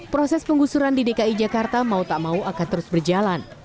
proses penggusuran di dki jakarta mau tak mau akan terus berjalan